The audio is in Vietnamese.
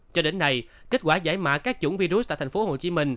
cho đến nay kết quả giải mã các chủng virus tại tp hcm